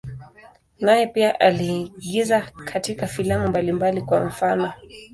Naye pia aliigiza katika filamu mbalimbali, kwa mfano.